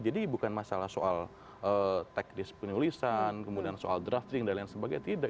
jadi bukan masalah soal teknis penulisan kemudian soal drafting dan lain sebagainya tidak